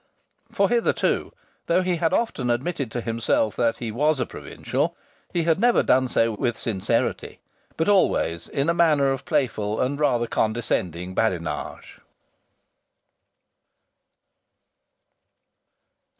For hitherto, though he had often admitted to himself that he was a provincial, he had never done so with sincerity: but always in a manner of playful and rather condescending badinage.